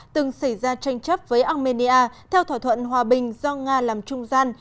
từng xảy ra tranh chấp với armenia theo thỏa thuận hòa bình do nga làm trung gian